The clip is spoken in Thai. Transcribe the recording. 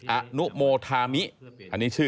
อนุโมธามิอันนี้ชื่อ